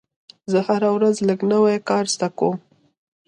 زه هره ورځ لږ نوی کار زده کوم.